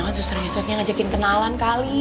mungkin susternya susternya ngajakin kenalan kali